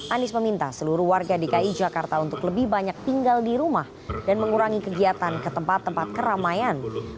anies meminta seluruh warga dki jakarta untuk lebih banyak penyelenggaraan